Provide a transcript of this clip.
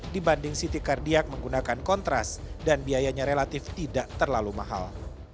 dibanding city cardiak menggunakan kontras dan biayanya relatif tidak terlalu mahal